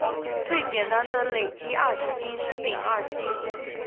最简单的累积二烯烃是丙二烯。